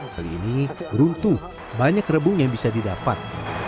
kali ini beruntung banyak rebung yang bisa didapat